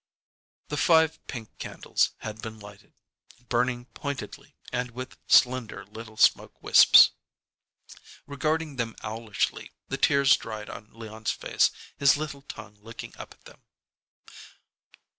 The five pink candles had been lighted, burning pointedly and with slender little smoke wisps. Regarding them owlishly, the tears dried on Leon's face, his little tongue licking up at them.